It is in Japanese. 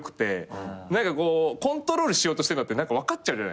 何かこうコントロールしようとしてるのって分かっちゃうじゃないですか。